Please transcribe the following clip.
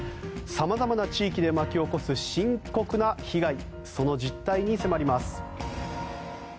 様々な地域で巻き起こす深刻な被害その実態に迫ります。